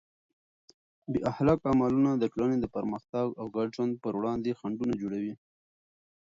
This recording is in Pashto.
بې اخلاقه عملونه د ټولنې د پرمختګ او ګډ ژوند پر وړاندې خنډونه جوړوي.